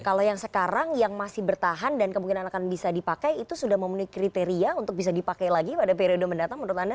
kalau yang sekarang yang masih bertahan dan kemungkinan akan bisa dipakai itu sudah memenuhi kriteria untuk bisa dipakai lagi pada periode mendatang menurut anda